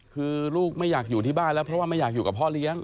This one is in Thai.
คือลูกไม่อยากอยู่ที่บ้านแล้วเพราะว่าไม่อยากอยู่กับพ่อเลี้ยง